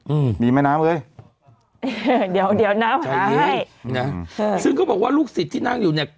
อืมมีแม่น้ำเอ้ยเออเดี๋ยวเดี๋ยวน้ำหาให้นะซึ่งเขาบอกว่าลูกศิษย์ที่นั่งอยู่เนี้ย